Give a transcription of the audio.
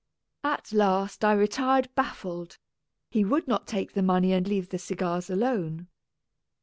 At last I retired baffled : he would not take the money and leave the cigars alone.